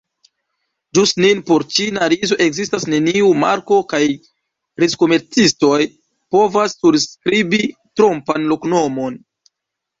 Ĝis nun por ĉina rizo ekzistas neniu marko kaj rizkomercistoj povas surskribi trompan loknomon.